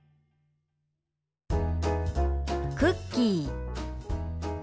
「クッキー」。